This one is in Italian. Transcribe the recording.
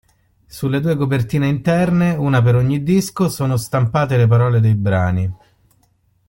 Sulle due copertine interne, una per ogni disco, sono stampate le parole dei brani.